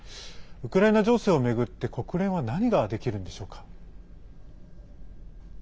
ウクライナ情勢を巡って国連は何ができるんでしょうか？